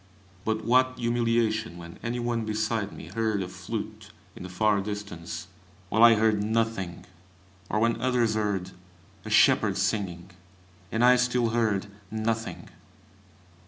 But what humiliation when any one beside me heard a flute in the far distance, while I heard nothing, or when others heard a shepherd singing, and I still heard nothing!